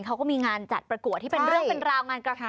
เขาก็มีงานจัดประกวดที่เป็นเรื่องเป็นราวงานกระทำ